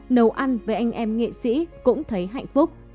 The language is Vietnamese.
nấu ăn với anh em nghệ sĩ cũng thấy hạnh phúc